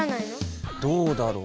どうだろう？